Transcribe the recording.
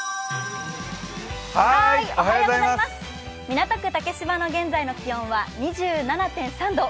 港区竹芝の現在の気温は２７．３度。